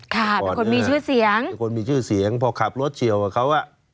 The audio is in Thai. ค่ะเป็นคนมีชื่อเสียงเป็นคนมีชื่อเสียงพอขับรถเฉียวกับเขาอ่ะ